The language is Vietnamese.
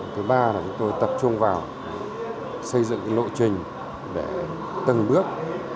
thứ ba là chúng tôi tập trung vào xây dựng lộ trình để từng bước